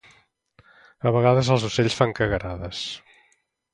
A vegades els ocells fan cagarades